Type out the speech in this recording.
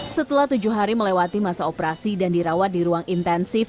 setelah tujuh hari melewati masa operasi dan dirawat di ruang intensif